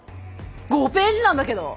５ページなんだけど。